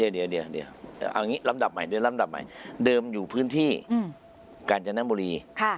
เดี๋ยวเอาอย่างงี้ลำดับใหม่เดิมอยู่พื้นที่กาญจนบุรี